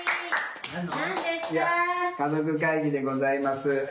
家族会議でございます。